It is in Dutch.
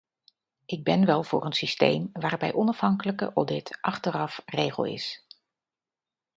Ik ben wel voor een systeem waarbij onafhankelijke audit achteraf regel is.